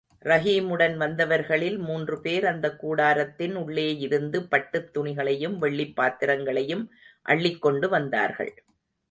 ரஹீமுடன் வந்தவர்களில் மூன்று பேர் அந்தக் கூடாரத்தின் உள்ளேயிருந்து பட்டுத் துணிகளையும் வெள்ளிப் பாத்திரங்களையும் அள்ளிக் கொண்டு வந்தார்கள்.